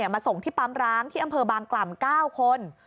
มาส่งที่ปั๊มร้างที่อำเภอบางกล่ำ๙คน